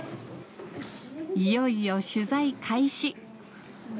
いよいよ取材開始。